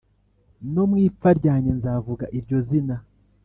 Nomwipfa ryanjye nzavuga iryozina